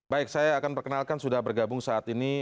baik saya akan perkenalkan sudah bergabung saat ini